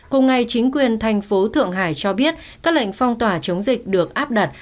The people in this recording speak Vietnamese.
cùng ngày chính quyền thành phố thượng hải cho biết các lệnh phong tỏa chống dịch được áp đặt